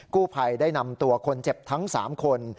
กู้ภัยได้นำตัวคนเจ็บทั้ง๓คน